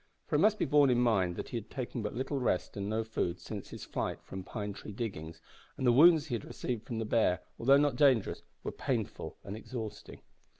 For it must be borne in mind that he had taken but little rest and no food since his flight from Pine Tree Diggings, and the wounds he had received from the bear, although not dangerous, were painful and exhausting.